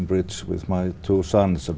hai đất nước không